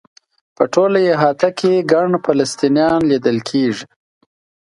په ټوله احاطه کې ګڼ فلسطینیان لیدل کېږي.